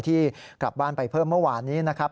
ที่กลับบ้านไปเพิ่มเมื่อวานนี้นะครับ